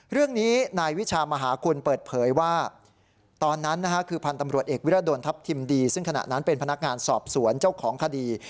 เรื่องนี้นายวิชามหาคุณเปิดเผยว่าตอนนั้นคือพันธ์ตำรวจเอกวิรดลทัพทิมดีซึ่งขณะนั้นเป็นพนักงานสอบสวนเจ้าของคดี